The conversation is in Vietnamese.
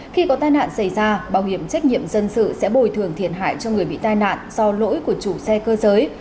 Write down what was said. khi có tai nạn xảy ra bảo hiểm trách nhiệm dân sự sẽ bồi thường thiệt hại cho người bị tai nạn do lỗi của chủ xe cơ giới